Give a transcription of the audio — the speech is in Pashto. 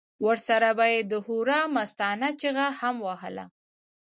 ورسره به یې د هورا مستانه چیغه هم وهله.